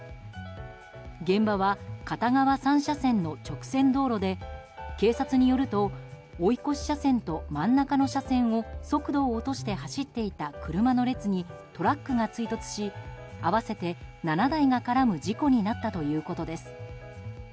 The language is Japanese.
現場は片側３車線の直線道路で警察によると追い越し車線と真ん中の車線を速度を落として走っていた車の列にトラックが追突し合わせて７台が絡む事故になったということです。